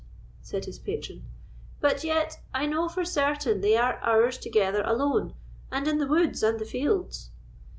said his patron. "But yet I know for certain they are hours together alone, and in the woods and the fields."